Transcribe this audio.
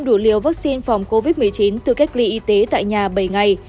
đủ liều vaccine phòng covid một mươi chín từ cách ly y tế tại nhà bảy ngày